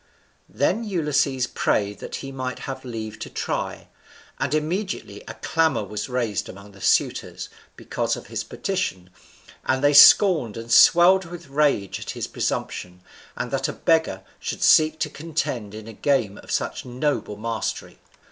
Then Ulysses prayed that he might have leave to try; and immediately a clamour was raised among the suitors, because of his petition, and they scorned and swelled with rage at his presumption, and that a beggar should seek to contend in a game of such noble mastery.